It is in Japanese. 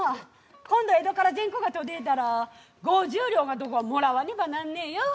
今度、江戸から銭こが届いたら５０両のとこはもらわねばなんねえよ。